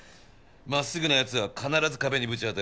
真っすぐな奴は必ず壁にぶち当たる。